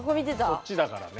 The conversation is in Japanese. そっちだからね。